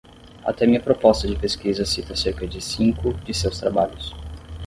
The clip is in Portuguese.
Até minha proposta de pesquisa cita cerca de cinco de seus trabalhos.